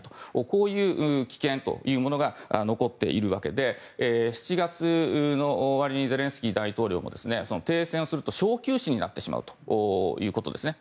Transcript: こういう危険というものが残っているわけで７月の終わりにゼレンスキー大統領は停戦をすると小休止になってしまうということですね。